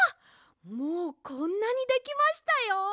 もうこんなにできましたよ。